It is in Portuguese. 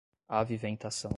aviventação